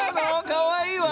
かわいいわ。